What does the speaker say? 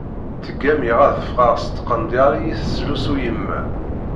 Ttgammiɣ ad ffɣeɣ s tqendyar iyi-teslusu yemma.